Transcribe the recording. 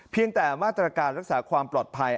แต่มาตรการรักษาความปลอดภัย